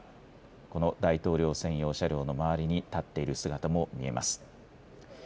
この大統領専用車両の周りに立っている姿も見えます。